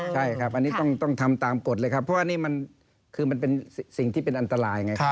ใช่ครับอันนี้ต้องทำตามกฎเลยครับเพราะว่านี่มันคือมันเป็นสิ่งที่เป็นอันตรายไง